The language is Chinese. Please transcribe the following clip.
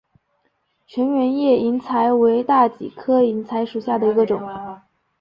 全缘叶银柴为大戟科银柴属下的一个种。